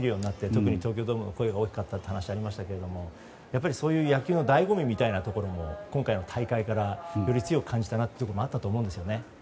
特に東京ドームの声が大きかったという話がありましたがそういう野球の醍醐味みたいなところも今回の大会からより強く感じたなというところもあったかなと思うんですね。